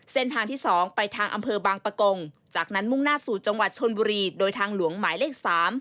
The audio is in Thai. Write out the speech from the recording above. เส้นทางที่๒ไปทางอำเภอบางปะกงจากนั้นมุ่งหน้าสู่จังหวัดชนบุรีโดยทางหลวงหมายเลข๓